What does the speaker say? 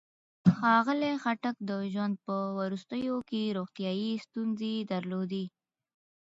ښاغلي خټک د ژوند په وروستیو کې روغتيايي ستونزې درلودې.